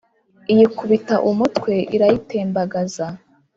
iyikuba umutwe irayitembagaza